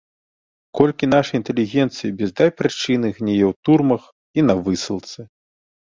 Колькі нашай інтэлігенцыі без дай прычыны гніе ў турмах і на высылцы!